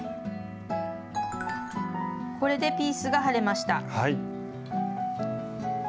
これでピースが貼れました。